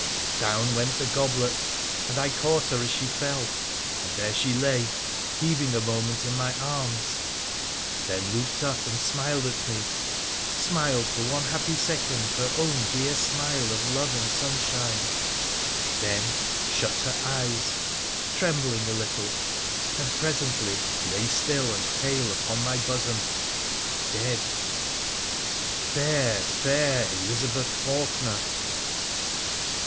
Down went the goblet, and I caught her as she fell ; and there she lay, heaving a moment in my arms, then looked up and smiled at me — smiled for one happy second her own dear smile of love and sunshine — then shut her eyes, trembling a little, and presently lay still and pale upon my bosom— dead ! Fair, fair Elizabeth Faulkener